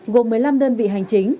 gồm một mươi năm đơn vị hành chính